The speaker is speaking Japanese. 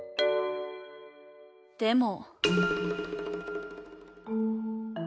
でも。